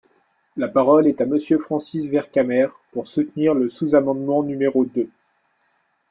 La parole est à Monsieur Francis Vercamer, pour soutenir le sous-amendement numéro deux.